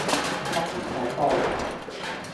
忽然咁多人